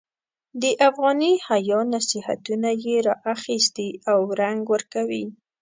د افغاني حیا نصیحتونه یې را اخیستي او رنګ ورکوي.